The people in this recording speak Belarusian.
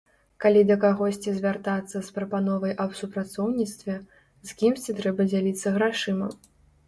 Калі да кагосьці звяртацца з прапановай аб супрацоўніцтве, з кімсьці трэба дзяліцца грашыма.